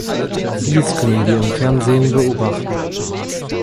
Dies können wir im Fernsehen beobachten.